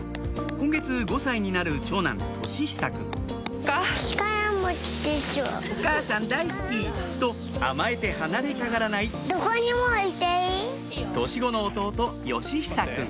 今月５歳になる長男「お母さん大好き」と甘えて離れたがらない年子の弟